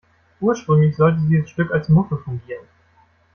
Ursprünglich sollte dieses Stück als Muffe fungieren.